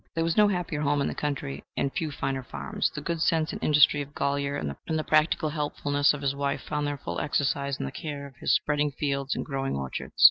There was no happier home in the county, and few finer farms. The good sense and industry of Golyer and the practical helpfulness of his wife found their full exercise in the care of his spreading fields and growing orchards.